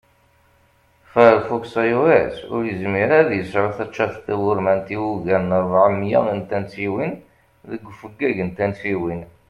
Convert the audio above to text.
Firefox iOS ur yizmir ara ad yesεu taččart tawurmant i ugar n rbeɛ miyya n tansiwin deg ufeggag n tansiwin